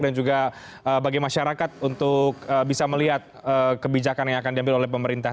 dan juga bagi masyarakat untuk bisa melihat kebijakan yang akan diambil oleh pemerintah